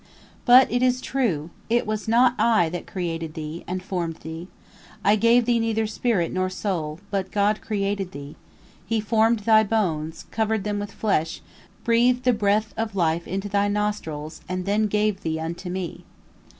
But it is true, it was not I that created thee, and formed thee. I gave thee neither spirit nor soul, but God created thee. He formed thy bones, covered them with flesh, breathed the breath of life into thy nostrils, and then gave thee unto me.